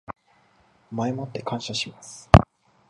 前もって感謝します